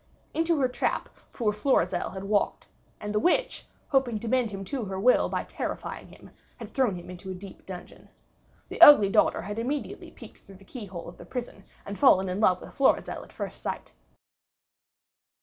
Into her trap poor Florizel had walked, and the witch, hoping to bend him to her will by terrifying him, had thrown him into a deep dungeon. The ugly daughter had immediately peeked through the key hole of the prison, and fallen in love with Florizel at first sight.